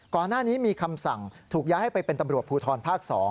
ก่อนหน้านี้มีคำสั่งถูกย้ายให้ไปเป็นตำรวจภูทรภาค๒